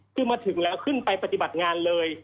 คือมาถึงแล้วขึ้นไปปฏิบัติงานเลย